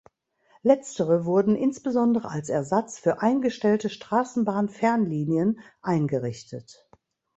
Letztere wurden insbesondere als Ersatz für eingestellte Straßenbahn-Fernlinien eingerichtet.